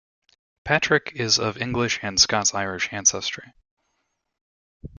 Patrick is of English and Scots-Irish ancestry.